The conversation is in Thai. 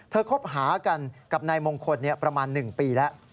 คบหากันกับนายมงคลประมาณ๑ปีแล้ว